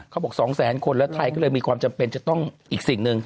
สองแสนคนแล้วไทยก็เลยมีความจำเป็นจะต้องอีกสิ่งหนึ่ง